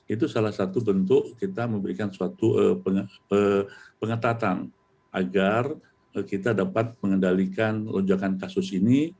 itu salah satu bentuk kita memberikan suatu pengetatan agar kita dapat mengendalikan lonjakan kasus ini